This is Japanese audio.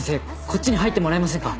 こっちに入ってもらえませんか？